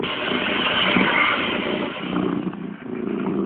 母亲是萨克森人。